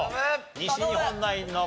西日本ナインの答え